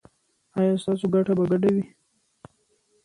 ایا ستاسو ګټه به ګډه وي؟